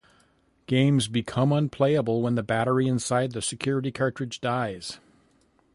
Games become unplayable when the battery inside the security cartridge dies.